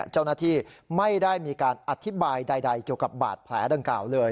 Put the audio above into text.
เจ้าหน้าที่ไม่ได้มีการอธิบายใดเกี่ยวกับบาดแผลดังกล่าวเลย